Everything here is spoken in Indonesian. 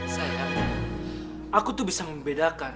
sayang aku tuh bisa membedakan